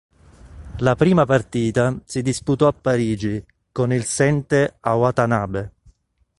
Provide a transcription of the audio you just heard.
La prima partita si disputò a Parigi, con il "Sente" a Watanabe.